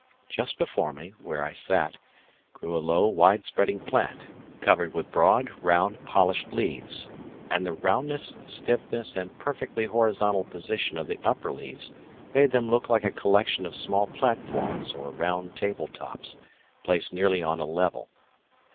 Just before me, where I sat, grew a low, wide spreading plant, covered with broad, round, polished leaves; and the roundness, stiffness, and perfectly horizontal position of the upper leaves made them look like a collection of small platforms or round table tops placed nearly on a level.